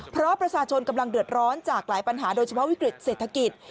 เพราะประชาชนกำลังเดือดร้อนจากหลายปัญหาโดยเฉพาะวิกฤตเศรษฐกิจ